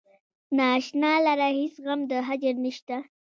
نا اشنا لره هیڅ غم د هجر نشته.